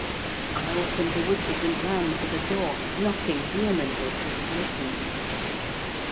I opened the wicket and ran to the door, knocking vehemently for admittance.